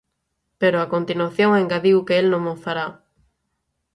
Pero a continuación engadiu que el non o fará.